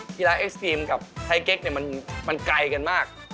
กีฬาเอ็กซ์ทรีมกับไทยเก็กมันไกลกันมาก